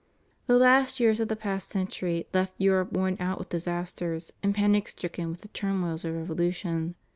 The last years of the past century left Europe worn out with disasters and panic stricken with the turmoils of revolution.